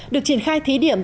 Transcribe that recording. được triển khai thí điểm